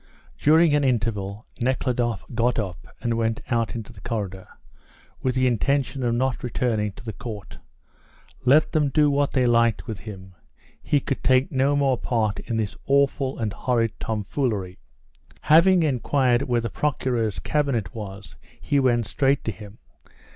During an interval Nekhludoff got up and went out into the corridor, with the intention of not returning to the court. Let them do what they liked with him, he could take no more part in this awful and horrid tomfoolery. Having inquired where the Procureur's cabinet was he went straight to him.